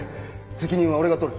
責任は俺が取る。